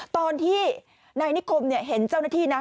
ตอนที่นายนิคมเห็นเจ้าหน้าที่นะ